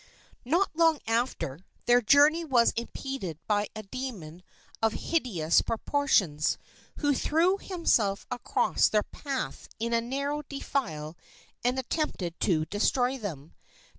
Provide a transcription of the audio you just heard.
Not long after, their journey was impeded by a demon of hideous proportions, who threw himself across their path in a narrow defile and attempted to destroy them.